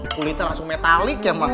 kulitnya langsung metalik ya mas